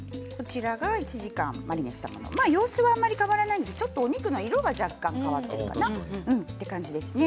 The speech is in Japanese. １時間マリネしたもの様子はあまり変わらないんですがお肉の色が若干変わっているかなという感じですね。